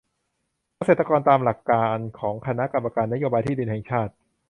เกษตรกรตามหลักการของคณะกรรมการนโยบายที่ดินแห่งชาติ